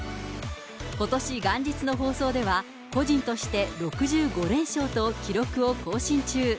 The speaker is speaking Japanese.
ことし元日の放送では、個人として６５連勝と記録を更新中。